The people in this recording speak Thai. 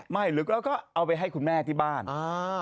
หรือเราก็เอาไปให้คุณแม่ที่บ้านอ่า